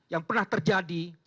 yang pernah terjadi